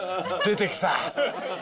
出て来た！